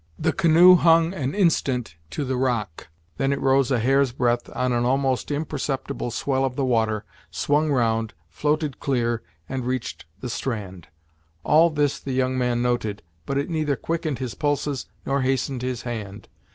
The canoe hung an instant to the rock; then it rose a hair's breadth on an almost imperceptible swell of the water, swung round, floated clear, and reached the strand. All this the young man noted, but it neither quickened his pulses, nor hastened his hand.